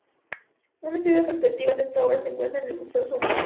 Un estudio de perspectiva de esta obra se encuentra en el Museo Soumaya.